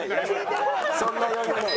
そんな余裕ない。